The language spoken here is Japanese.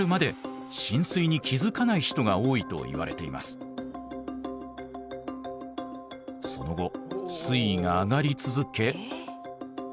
しかしその後水位が上がり続け。